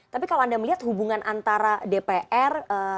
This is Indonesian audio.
tapi kalau anda melihat hubungan antara dpr